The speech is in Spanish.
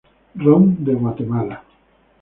Ron de Guatemala